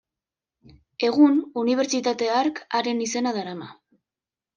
Egun, unibertsitate hark haren izena darama.